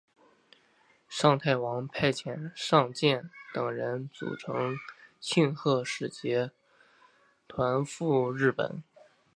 尚泰王派遣尚健等人组成庆贺使节团赴日本。